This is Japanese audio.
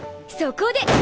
そこで！